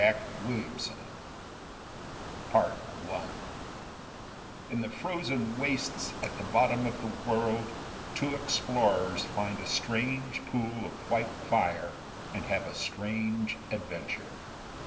_] [Sidenote: In the frozen wastes at the bottom of the world two explorers find a strange pool of white fire and have a strange adventure.